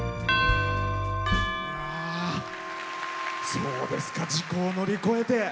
そうですか事故を乗り越えて。